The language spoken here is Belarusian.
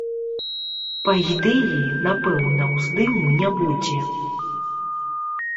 Па ідэі, напэўна ўздыму не будзе.